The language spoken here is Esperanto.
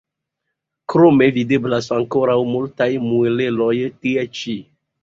Krome videblas ankoraŭ multaj muelejoj tie ĉi.